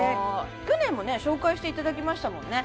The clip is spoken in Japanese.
去年もね紹介していただきましたもんね